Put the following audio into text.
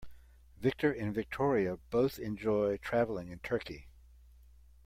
Victor and Victoria both enjoy traveling in Turkey.